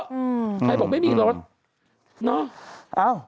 ใครบอกไม่มีรถเนอะเอ้า